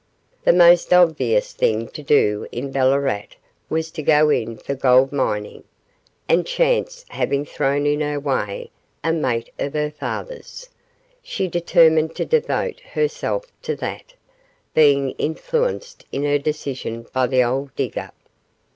The most obvious thing to do in Ballarat was to go in for gold mining, and chance having thrown in her way a mate of her father's, she determined to devote herself to that, being influenced in her decision by the old digger.